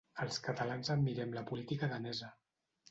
Els catalans admirem la política danesa.